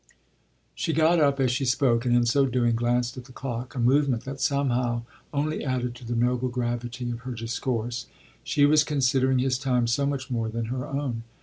She got up as she spoke and in so doing glanced at the clock a movement that somehow only added to the noble gravity of her discourse: she was considering his time so much more than her own.